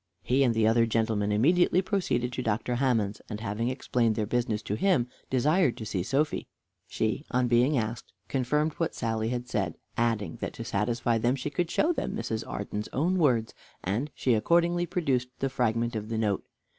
He and the other gentlemen immediately proceeded to Dr. Hammond's, and having explained their business to him, desired to see Sophy. She, on being asked, confirmed what Sally had said, adding that to satisfy them she could show them Mrs. Arden's own words, and she accordingly produced the fragment of the note.